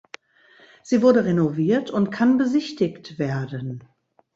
Sie wurde renoviert und kann besichtigt werden.